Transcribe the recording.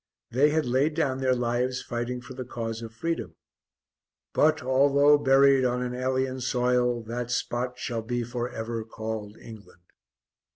They had laid down their lives fighting for the cause of freedom. "But, although buried on an alien soil, that spot shall be for ever called England."